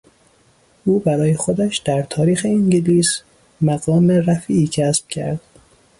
او برای خودش در تاریخ انگلیس مقام رفیعی کسب کرد.